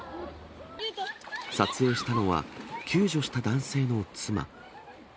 撮影したのは、救助した男性の妻。